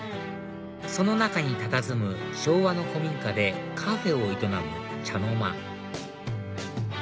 その中にたたずむ昭和の古民家でカフェを営むＣｈａｎｏｍａ